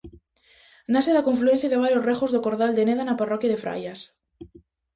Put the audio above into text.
Nace da confluencia de varios regos do cordal de Neda na parroquia de Fraias.